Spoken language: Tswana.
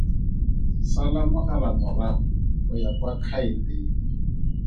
Sala mogala morago go ya kwa khaeteng.